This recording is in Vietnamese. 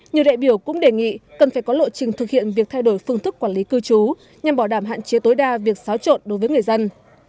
nhiều đại biểu cũng đề nghị cần phải có lộ trình thực hiện việc thay đổi phương thức quản lý cư trú nhằm bảo đảm hạn chế tối đa việc xáo trộn đối với người dân